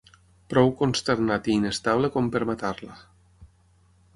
Prou consternat i inestable com per matar-la...